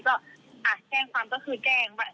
แจ้งความก็คือแจ้ง